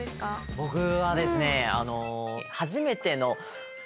僕はですね。